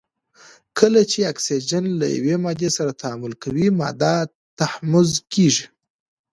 کله چې اکسیجن له یوې مادې سره تعامل کوي ماده تحمض کیږي.